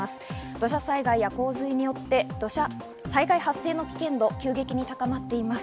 土砂災害や洪水によって災害発生の危険度が急激に高まっています。